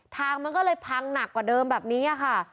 ทางมันก็เลยพังหนักกว่าเดิมแบบนี้ค่ะ